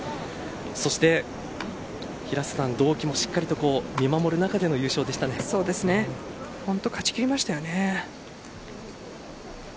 そして、平瀬さん同期もしっかりと見守る中での本当に勝ち切りましたよね。